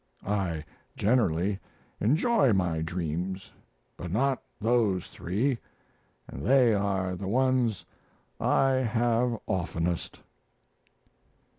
I generally enjoy my dreams, but not those three, and they are the ones I have oftenest."